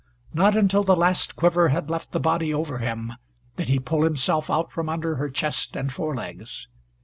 Not until the last quiver had left the body over him did he pull himself out from under her chest and forelegs.